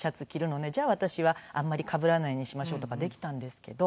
じゃあ私はあんまりかぶらないようにしましょうとかできたんですけど。